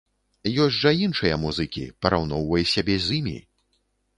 Ёсць жа іншыя музыкі, параўноўвай сябе з імі.